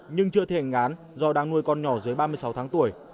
nhưng chưa thi hành án do đang nuôi con nhỏ dưới ba mươi sáu tháng tuổi